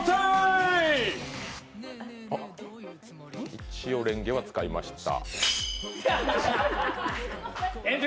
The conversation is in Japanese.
一応れんげは使いました。